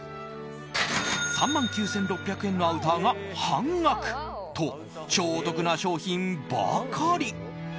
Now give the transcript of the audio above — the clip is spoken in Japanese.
３万９６００円のアウターが半額！と超お得な商品ばかり。